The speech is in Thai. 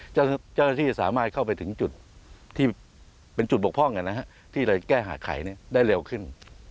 เจ้าหน้าที่จะสามารถเข้าไปถึงจุดบกพ่องที่เราจะแก้หาไขได้เร็วขึ้น